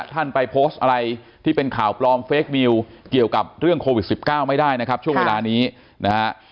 ท่านไปโพสต์อะไรที่เป็นข่าวปลอมเฟคนิวเกี่ยวกับเรื่องโควิด๑๙ไม่ได้นะครับช่วงเวลานี้นะฮะ